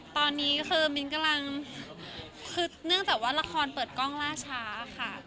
ตอนนี้คือมิ้นกำลังคือเนื่องจากว่าละครเปิดกล้องล่าช้าค่ะ